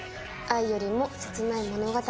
愛よりも切ない物語